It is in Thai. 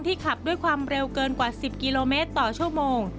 ขับด้วยความเร็วเกินกว่า๑๐กิโลเมตรต่อชั่วโมง